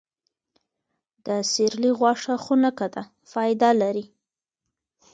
د سیرلي غوښه خونکه ده، فایده لري.